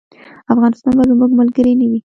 افغانستان به زموږ ملګری نه وي.